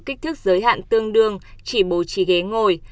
kích thước giới hạn tương đương chỉ bố trí ghế ngồi